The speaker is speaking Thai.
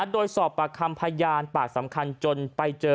โดยสอบปากคำพยานปากสำคัญจนไปเจอ